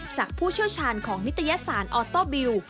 ผู้เชี่ยวชาญของนิตยสารออโต้บิล